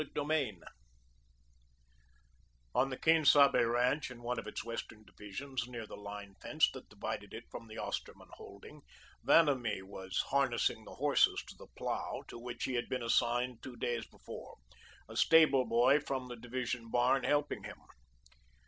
CHAPTER IV On the Quien Sabe ranch, in one of its western divisions, near the line fence that divided it from the Osterman holding, Vanamee was harnessing the horses to the plough to which he had been assigned two days before, a stable boy from the division barn helping him.